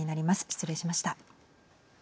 失礼しました。